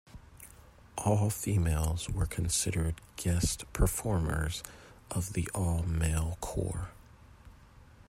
All females were considered "guest performers" of the all-male corps.